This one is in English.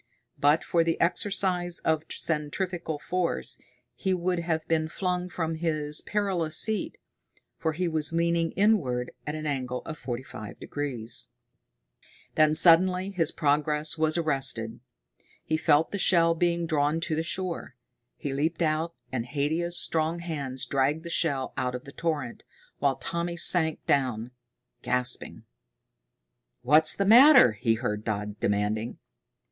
But for the exercise of centrifugal force he would have been flung from his perilous seat, for he was leaning inward at an angle of forty five degrees. Then suddenly his progress was arrested. He felt the shell being drawn to the shore. He leaped out, and Haidia's strong hands dragged the shell out of the torrent, while Tommy sank down, gasping. "What's the matter?" he heard Dodd demanding.